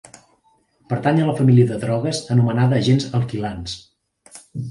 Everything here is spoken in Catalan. Pertany a la família de drogues anomenada agents alquilants.